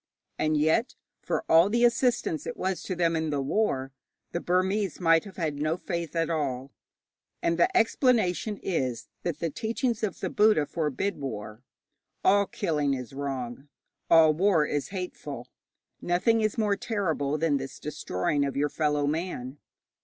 And yet, for all the assistance it was to them in the war, the Burmese might have had no faith at all. And the explanation is, that the teachings of the Buddha forbid war. All killing is wrong, all war is hateful; nothing is more terrible than this destroying of your fellow man.